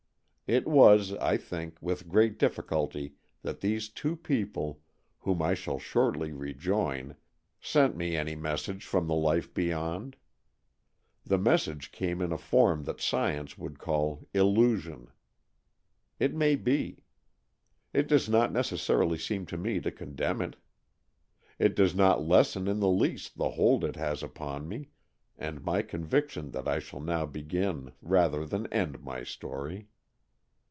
It was, I think, with great difficulty that these two people, whom I shall shortly rejoin, sent me any message from the life beyond. The message came in a form that science would call illusion. It may be. It does not neces sarily seem to me to condemn it. It does not lessen in the least the hold it has upon me, and my conviction that I shall now begin rather than end my story.